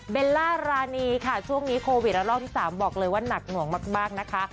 ล่ารานีค่ะช่วงนี้โควิดระลอกที่๓บอกเลยว่าหนักหน่วงมากนะคะ